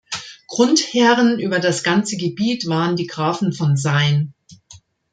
Grundherren über das ganze Gebiet waren die Grafen von Sayn.